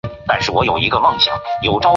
她六十岁时